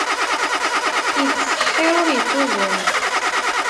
Ittṣeḥḥir, ur ittuẓum.